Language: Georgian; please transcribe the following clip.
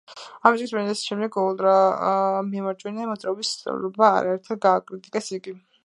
ამ წიგნის პრეზენტაციის შემდეგ ულტრამემარჯვენე მოძრაობის წევრებმა არაერთხელ გააკრიტიკეს იგი.